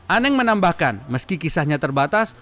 aneng menambahkan meski kisahnya terbatas